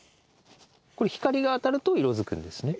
これ光が当たると色づくんですね？